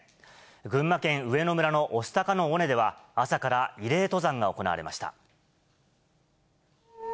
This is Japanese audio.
群馬県上野村の御巣鷹の尾根では、朝から慰霊登山が行われました。